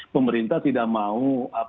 pemerintah tidak mau